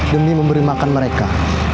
demi memberi makan mereka